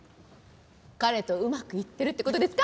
彼とうまくいってるって事ですか？